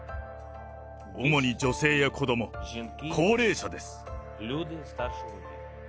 主に女性や子ども、高齢者です。